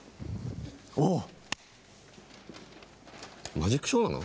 マジックショーなの？